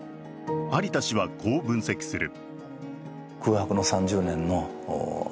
有田氏は、こう分析する。